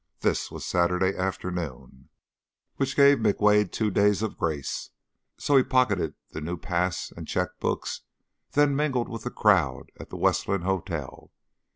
This was Saturday afternoon, which gave McWade two days of grace, so he pocketed his new pass and check books, then mingled with the crowd at the Westland Hotel.